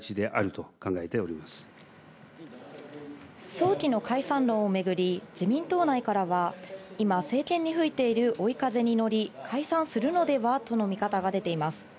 早期の解散論をめぐり、自民党内からは今、政権に吹いている追い風に乗り、解散するのではとの見方が出ています。